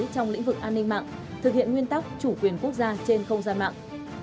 trong lĩnh vực an ninh mạng thực hiện nguyên tắc chủ quyền quốc gia trên không gian mạng